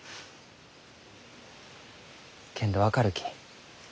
けんど分かるき。